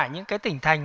những cái tỉnh thành